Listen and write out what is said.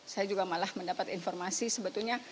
saya juga malah mendapat informasi sebetulnya